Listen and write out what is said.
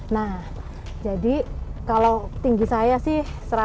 nah jadi kalau tinggi saya sih satu ratus enam puluh lima